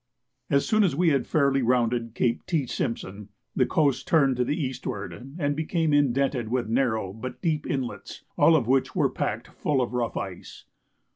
As soon as we had fairly rounded Cape T. Simpson, the coast turned to the eastward, and became indented with narrow but deep inlets, all of which were packed full of rough ice.